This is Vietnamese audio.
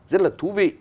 rất là thú vị